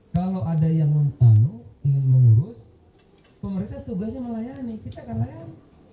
kalau ada yang ingin mengurus pemerintah tugasnya melayani kita akan layan